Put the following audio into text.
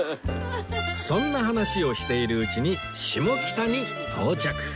そんな話をしているうちにシモキタに到着